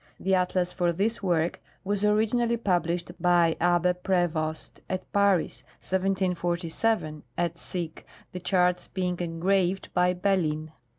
The atlas for this work was originally published by Abbe Prevost at Paris, 1747, et seq., the charts being engraved by Bellin.